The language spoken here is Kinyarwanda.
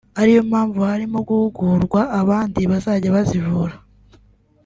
ari yo mpamvu harimo guhugurwa abandi bazajya bazivura